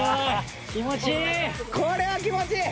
これは気持ちいい！